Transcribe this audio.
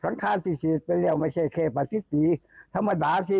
เหมาคั่วครั้งสังคารสิีคจะเรียกว่าไม่ใช่เครปศิษย์ธรรมดาสิ